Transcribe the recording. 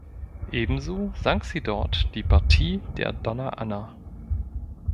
Ebenso sang sie dort die Partie der Donna Anna.